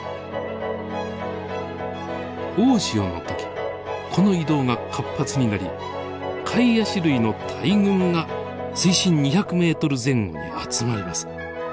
大潮の時この移動が活発になりカイアシ類の大群が水深２００メートル前後に集まります。